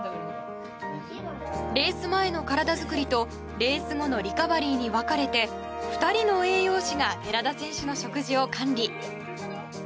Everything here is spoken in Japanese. レース前の体づくりとレース後のリカバリーに分かれて２人の栄養士が寺田選手の食事を管理。